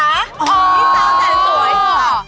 อ๋อพี่สาวแต่สวยค่ะ